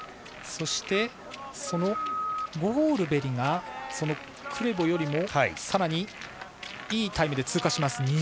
そのゴールベリがクレボよりもさらにいいタイムで通過します。